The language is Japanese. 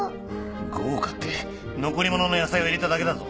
豪華って残り物の野菜を入れただけだぞ。